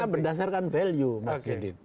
karena berdasarkan value mas gedit